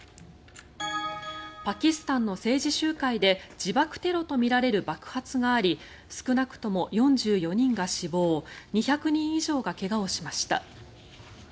パキスタンの政治集会で自爆テロとみられる爆発があり少なくとも４４人が死亡２００人以上が怪我をしました。